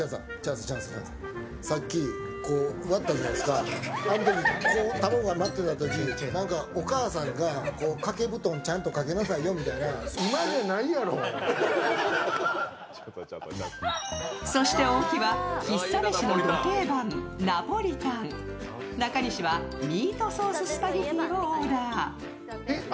さっき割ったじゃないですか卵がこうなってたとき何か、お母さんが掛け布団ちゃんとかけなさいみたいなそして大木は喫茶飯のド定番、ナポリタン、中西はミートソーススパゲッティをオーダー。